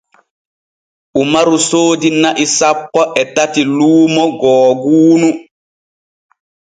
Umaru soodi na'i sanpo e tati luumo googuunu.